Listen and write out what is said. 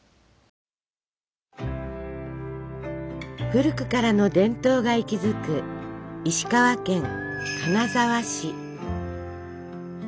古くからの伝統が息づく石川県金沢市。